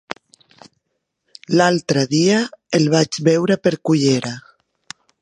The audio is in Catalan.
L'altre dia el vaig veure per Cullera.